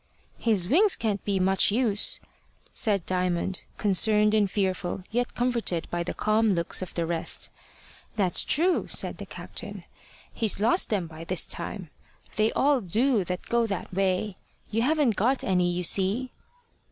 "His wings can't be much use," said Diamond, concerned and fearful, yet comforted by the calm looks of the rest. "That's true," said the captain. "He's lost them by this time. They all do that go that way. You haven't got any, you see."